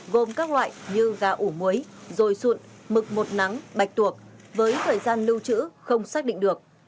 gồm các loại như gà ủ muối rồi sụn mực một nắng bạch tuộc với thời gian lưu trữ không xác định được